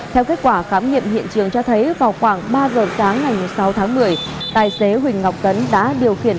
theo kết quả khám nghiệm hiện trường cho thấy vào khoảng ba giờ sáng ngày sáu tháng một mươi